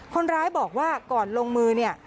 คนร้ายบอกว่าก่อนลงมือเนี่ย